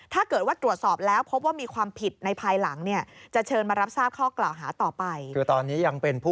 ถ้าเกิดว่าตรวจสอบแล้วพบว่ามีความผิดในภายหลังเนี่ย